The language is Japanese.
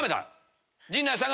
陣内さん